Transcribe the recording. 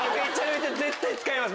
絶対使います！